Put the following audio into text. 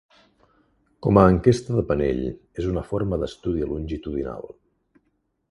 Com a enquesta de panell és una forma d'estudi longitudinal.